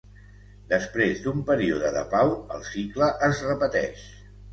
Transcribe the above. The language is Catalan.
Després d'un període de pau, el cicle es repeteix.